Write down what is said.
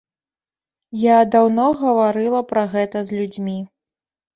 Я даўно гаварыла пра гэта з людзьмі.